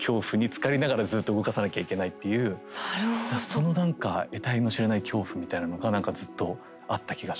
その何かえたいの知れない恐怖みたいなものが何かずっとあった気がしますね。